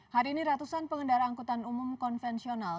hari ini ratusan pengendara angkutan umum konvensional